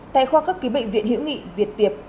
tại khoa cấp ký bệnh viện hiệu quốc